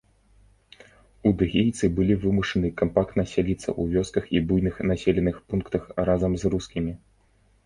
Удэгейцы былі вымушаны кампактна сяліцца ў вёсках і буйных населеных пунктах разам з рускімі.